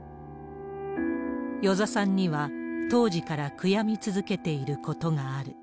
與座さんには、当時から悔やみ続けていることがある。